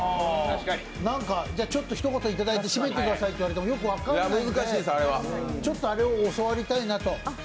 なんか、ちょっとひと言いただいて締めてくださいって言われてもよく分からないので、あれを教わりたいなと。